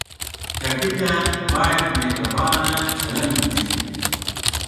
ټپي ته باید مهربانه چلند وشي.